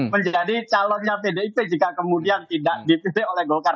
menjadi calonnya pdip jika kemudian tidak dipilih oleh golkar